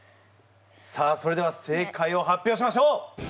さあそれでは正解を発表しましょう！